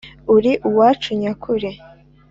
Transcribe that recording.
uri uwacu nyakuri,